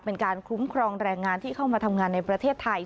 เป็นการคุ้มครองแรงงานที่เข้ามาทำงานในประเทศไทย